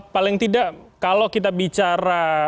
paling tidak kalau kita bicara